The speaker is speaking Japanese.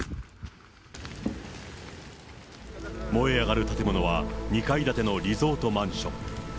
燃え上がる建物は、２階建てのリゾートマンション。